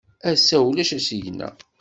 Ass-a, ulac asigna.